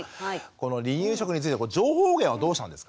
この離乳食について情報源はどうしたんですか？